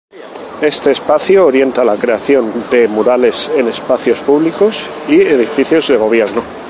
Este espacio orienta la creación de murales en espacios públicos y edificios de gobierno.